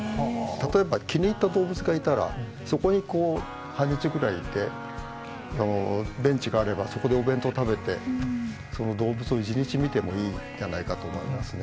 例えば気に入った動物がいたらそこにこう半日ぐらいいてベンチがあればそこでお弁当食べてその動物を１日見てもいいんじゃないかと思いますね。